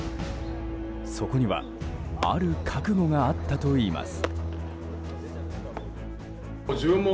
そこにはある覚悟があったといいます。